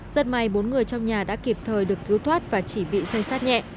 rất may bốn người trong nhà đã kịp thời được cứu thoát và chỉ bị xây sát nhẹ